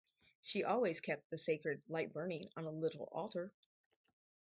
She always kept the sacred light burning on a little altar.